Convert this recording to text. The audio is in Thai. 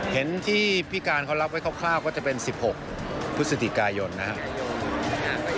เห็นที่พี่การเขารับไว้คร่าวก็จะเป็น๑๖พฤศจิกายนนะครับ